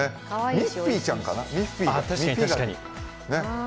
ミッフィーちゃんかな。